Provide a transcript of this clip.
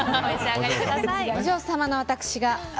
お嬢様の私が。